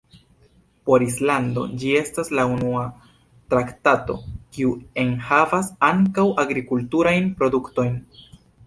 Por Islando, ĝi estas la unua traktato, kiu enhavas ankaŭ agrikulturajn produktojn.